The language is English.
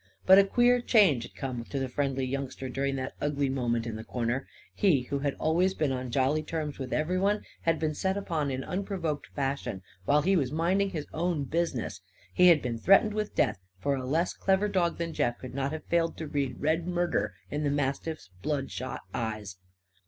But a queer change had come to the friendly youngster during that ugly moment in the corner. He, who had always been on jolly terms with everyone, had been set upon in unprovoked fashion while he was minding his own business. He had been threatened with death; for a less clever dog than Jeff could not have failed to read red murder in the mastiff's bloodshot eyes.